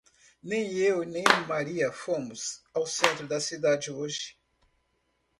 Nem eu nem Maria fomos ao centro da cidade hoje.